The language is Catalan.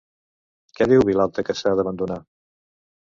Què diu Vilalta que s'ha d'abandonar?